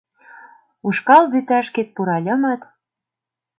Ушкал вӱташкет пуральымат